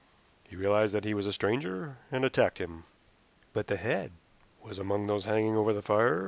He realized that he was a stranger, and attacked him." "But the head?" "Was among those hanging over the fire.